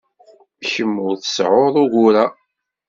Kemm ur tseɛɛuḍ ugur-a.